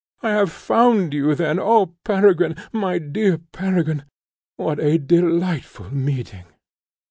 I have found you, then! O Peregrine, my dear Peregrine, what a delightful meeting!"